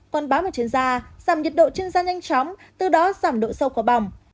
còn bám vào trên da giảm nhiệt độ trên da nhanh chóng từ đó giảm độ sâu của bỏng